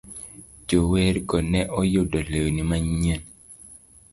Jowergo ne oyudo lewni manyien.